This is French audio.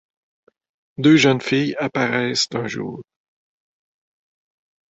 Deux jeunes filles apparaissent un jour.